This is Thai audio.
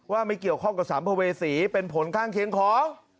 ว่าไม่เกี่ยวข้องกับสัมภเวษีเป็นผลข้างเคียงของ